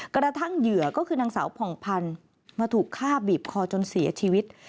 เหยื่อก็คือนางสาวผ่องพันธุ์มาถูกฆ่าบีบคอจนเสียชีวิต